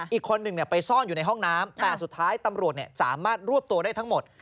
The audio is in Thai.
อีกคนหนึ่งไปซ่อนอยู่ในห้องน้ำแต่สุดท้ายตำรวจสามารถรวบตัวได้ทั้งหมด